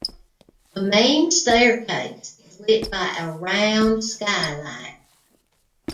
The main staircase is lit by a round skylight.